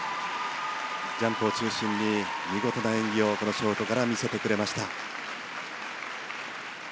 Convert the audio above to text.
ジャンプを中心に見事な演技をこのショートから見せてくれました。